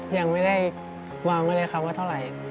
ยังไม่ได้วางไว้เลยครับว่าเท่าไหร่